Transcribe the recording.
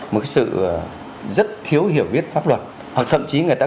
một cái sự rất thiếu hiểu biết pháp luật hoặc thậm chí người ta